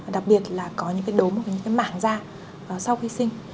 đặc biệt là có những đốm hoặc mảng da sau khi sinh